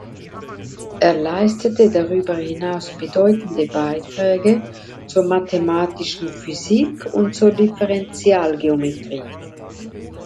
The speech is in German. Er leistete darüber hinaus bedeutende Beiträge zur mathematischen Physik und zur Differentialgeometrie.